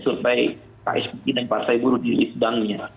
survei ksbp dan partai buruh di list banknya